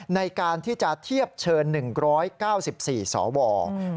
ในการที่จะเทียบเชิญ๑๙๔สว